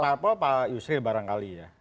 parpol pak yusril barangkali ya